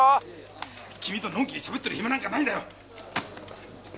君とのん気にしゃべってる暇なんかないんだよ！